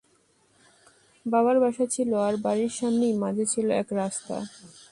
বাবার বাসা ছিল তাঁর বাড়ির সামনেই, মাঝে ছিল এক রাস্তা।